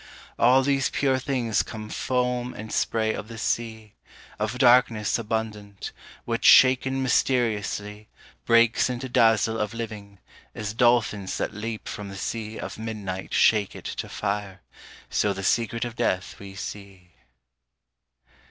All these pure things come foam and spray of the sea Of Darkness abundant, which shaken mysteriously, Breaks into dazzle of living, as dolphins that leap from the sea Of midnight shake it to fire, so the secret of death we see.